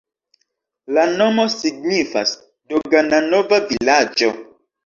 La nomo signifas: dogana-nova-vilaĝo.